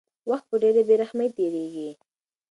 وخت په ډېرې بې رحمۍ تېرېږي.